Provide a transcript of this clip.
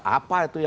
apa itu yang